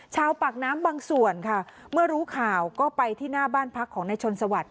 ชาวปากน้ำบางส่วนค่ะเมื่อรู้ข่าวก็ไปที่หน้าบ้านพักของนายชนสวัสดิ